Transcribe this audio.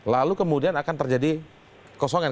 lalu kemudian akan terjadi kosongan